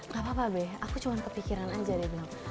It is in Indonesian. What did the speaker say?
gapapa be aku cuma kepikiran aja dia bilang